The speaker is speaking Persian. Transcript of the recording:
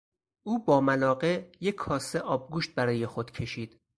او با ملاقه یک کاسه آبگوشت برای خود کشید.